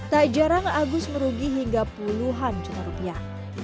tak jarang agus merugi hingga puluhan juta rupiah